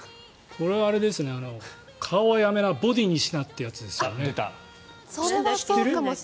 これは顔はやめなボディーにしなってやつです。